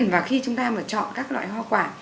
và khi chúng ta mà chọn các loại hoa quả